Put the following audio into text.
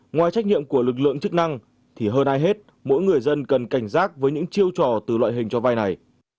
ngoài trách nhiệm của lực lượng chức năng thì hơn ai hết mỗi người dân cần cảnh giác với những chiêu trò từ loại hình cho vay này